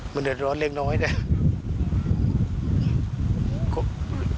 มันเดือดร้อนเล็กน้อยนะ